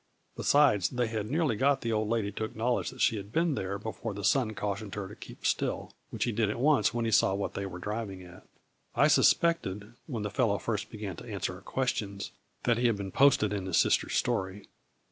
Besides, they had nearly got the old lady to acknowledge that she had been there be fore the son cautioned her to keep still, which he did at once when he saw what they were driving at. I suspected, when the fellow first began to answer our questions, that he had been posted in his sister's story.